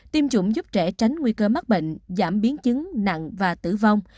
tiêm chủng giúp trẻ tránh nguy cơ mắc bệnh giảm biến chứng nặng và tử vong